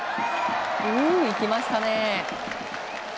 おお、いきましたね。